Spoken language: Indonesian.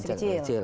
waktu masih kecil